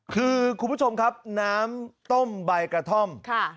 คือคุณผู้ชมครับน้ำต้มใบกระท่อม